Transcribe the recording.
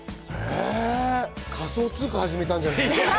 仮想通貨始めたんじゃない？